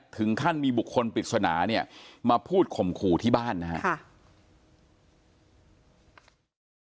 ถึงขั้นมีบุคคลปริศนาเนี่ยมาพูดข่มขู่ที่บ้านนะครับ